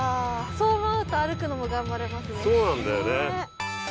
そう思うと歩くのも頑張れますねそうなんだよね